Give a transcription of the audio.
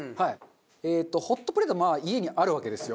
えーっとホットプレートはまあ家にあるわけですよ。